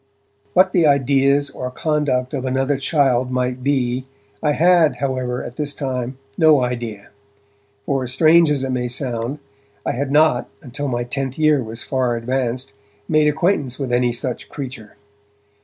What the ideas or conduct of 'another child' might be I had, however, at this time no idea, for, strange as it may sound, I had not, until my tenth year was far advanced, made acquaintance with any such creature.